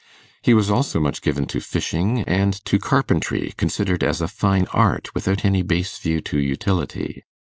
He was also much given to fishing, and to carpentry, considered as a fine art, without any base view to utility.